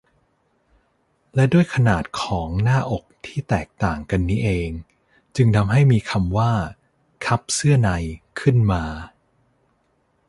และด้วยขนาดของหน้าอกที่แตกต่างกันนี้เองจึงทำให้มีคำว่า คัพเสื้อใน ขึ้นมา